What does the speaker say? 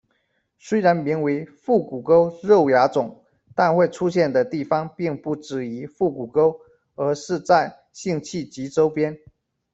虽然名为「腹股沟肉芽肿」，但会出现的地方并不止于腹股沟，而是在性器及周边。